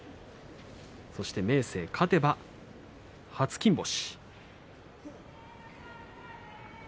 そして明生勝てば初金星。